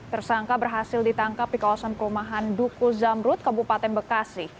tersangka berhasil ditangkap di kawasan perumahan duku zamrut kabupaten bekasi